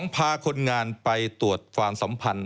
พาคนงานไปตรวจความสัมพันธ์